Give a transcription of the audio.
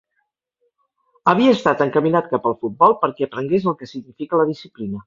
Havia estat encaminat cap al futbol perquè aprengués el que significa la disciplina.